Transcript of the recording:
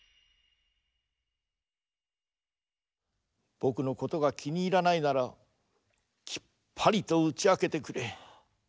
ぼくのことがきにいらないならきっぱりとうちあけてくれ。